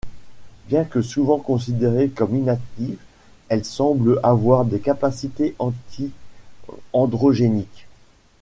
Bien que souvent considérée comme inactive, elle semble avoir des capacités anti-androgéniques.